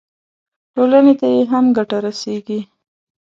ټولنې ته یې هم ګټه رسېږي.